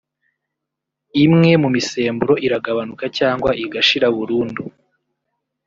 imwe mu misemburo iragabanuka cyangwa igashira burundu